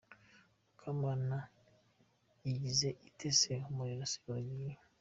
Mukamana: Igize ite se? Umuriro se uragiye?.